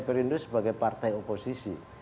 perindo sebagai partai oposisi